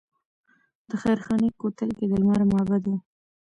د خیرخانې کوتل کې د لمر معبد و